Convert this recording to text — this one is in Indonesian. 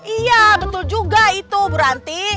iya betul juga itu bu ranti